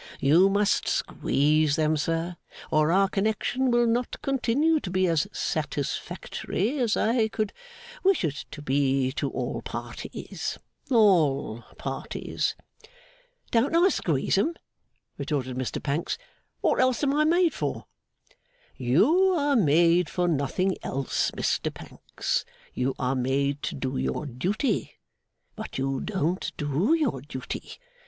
You must squeeze them, sir, or our connection will not continue to be as satisfactory as I could wish it to be to all parties. All parties.' 'Don't I squeeze 'em?' retorted Mr Pancks. 'What else am I made for?' 'You are made for nothing else, Mr Pancks. You are made to do your duty, but you don't do your duty.